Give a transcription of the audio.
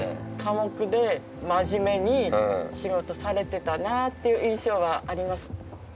寡黙で真面目に仕事されてたなあっていう印象はあります。